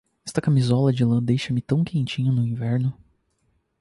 Esta camisola de lã deixa-me tão quentinho no inverno.